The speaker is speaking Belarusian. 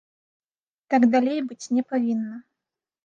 Так далей быць не павінна.